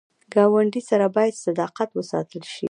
ګاونډي سره باید صداقت وساتل شي